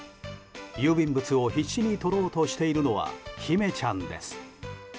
郵便物を必死に取ろうとしているのはひめちゃんです。